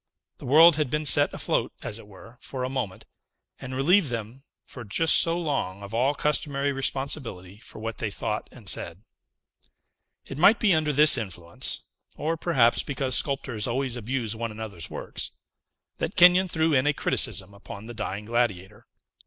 The world had been set afloat, as it were, for a moment, and relieved them, for just so long, of all customary responsibility for what they thought and said. It might be under this influence or, perhaps, because sculptors always abuse one another's works that Kenyon threw in a criticism upon the Dying Gladiator.